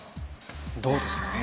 どうですかね？